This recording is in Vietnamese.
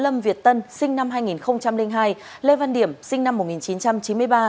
lâm việt tân sinh năm hai nghìn hai lê văn điểm sinh năm một nghìn chín trăm chín mươi ba